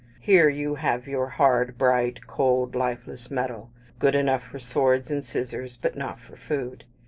Here you have your hard, bright, cold, lifeless metal good enough for swords and scissors but not for food.